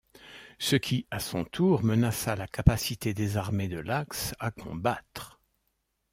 Ce qui à son tour menaça la capacité des armées de l'Axe à combattre.